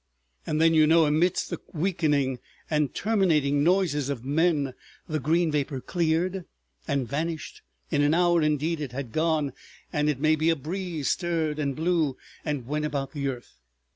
And then, you know, amidst the weakening and terminating noises of men, the green vapor cleared and vanished, in an hour indeed it had gone, and it may be a breeze stirred and blew and went about the earth.